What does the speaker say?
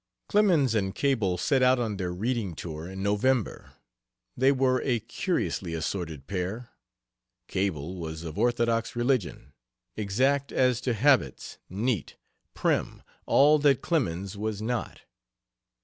Clemens and Cable set out on their reading tour in November. They were a curiously assorted pair: Cable was of orthodox religion, exact as to habits, neat, prim, all that Clemens was not.